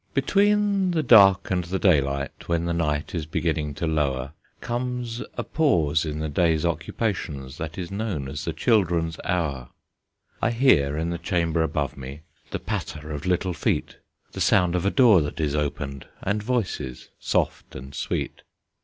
Between the dark and the daylight, When the night is beginning to lower, Comes a pause in the day's occupations, That is known as the Children's Hour. I hear in the chamber above me The patter of little feet, The sound of a door that is opened, And voices soft and sweet.